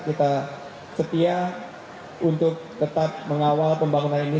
kita setia untuk tetap mengawal pembangunan ini